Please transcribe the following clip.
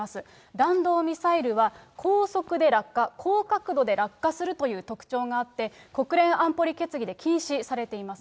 弾道ミサイルは、高速で落下、高角度で落下するという特徴があって、国連安保理決議で禁止されています。